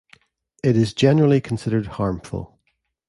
It is generally considered harmful.